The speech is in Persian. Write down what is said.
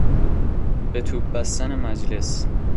به توپ بستن مجلس